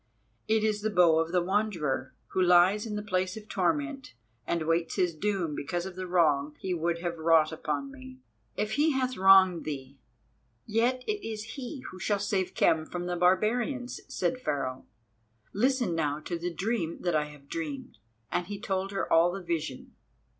It is the bow of the Wanderer, who lies in the place of torment, and waits his doom because of the wrong he would have wrought upon me." "If he hath wronged thee, yet it is he who shall save Khem from the barbarians," said Pharaoh. "Listen now to the dream that I have dreamed," and he told her all the vision.